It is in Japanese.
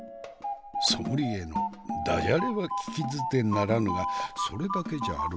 ソムリエのダジャレは聞き捨てならぬがそれだけじゃあるまい？